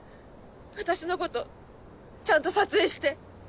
私のことちゃんと撮影して。